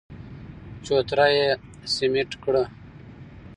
چوتره يې سمټ کړه.